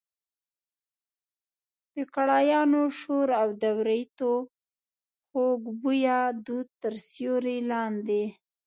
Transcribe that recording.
د کړایانو شور او د وریتو خوږ بویه دود تر سیوري لاندې.